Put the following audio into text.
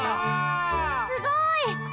すごい！